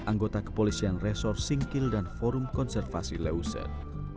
anggota kepolisian resor singkil dan forum konservasi leuser